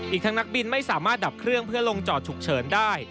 อีกทั้งนักบินไม่สามารถดับเครื่องเพื่อลงจอดฉุกเฉินได้